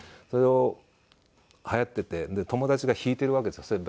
それを流行ってて友達が弾いてるわけですよ。